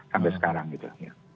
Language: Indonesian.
sampai sekarang gitu